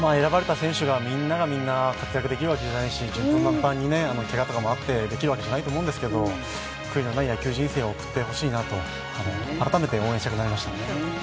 みんながみんな活躍できるわけではないし順風満帆に、けがとかもあってできるわけじゃないんですけど悔いのない野球人生を送ってほしいなと、改めて応援したくなりました。